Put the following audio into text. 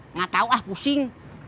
enggak tau ah pusing